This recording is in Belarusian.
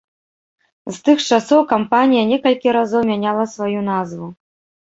З тых часоў кампанія некалькі разоў мяняла сваю назву.